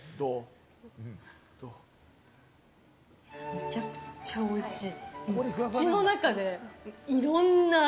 むちゃくちゃおいしい！